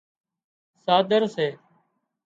ساۮر سي